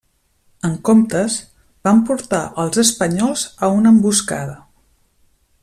En comptes, van portar als espanyols a una emboscada.